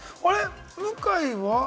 向井は？